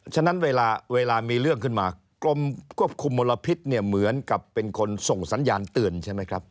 ฉะนั้นเวลามีเรื่องขึ้นมากรมควบคุมมลพิษเนี่ยเหมือนกับเป็นคนส่งสัญญาณเตือนใช่ไหมครับ